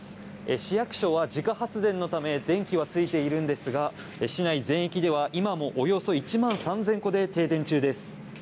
市役所は自家発電のため電気はついているんですが市内全域では今もおよそ１万３０００戸で停電中です。